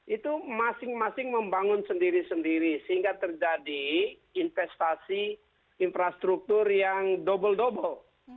itu masing masing membangun sendiri sendiri sehingga terjadi investasi infrastruktur yang double double